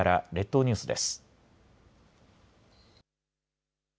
列島ニュースです。